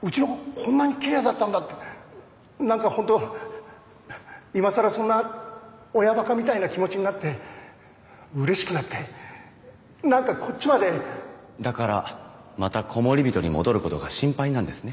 こんなにきれいだったんだってなんか本当今さらそんな親バカみたいな気持ちになってうれしくなってなんかこっちまでだからまたコモリビトに戻ることが心配なんですね